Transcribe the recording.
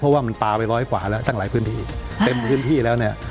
เพราะว่ามันปลาไปร้อยกว่าแล้วตั้งหลายพื้นที่เต็มพื้นที่แล้วเนี่ย